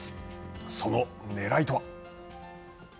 そのねらいとは？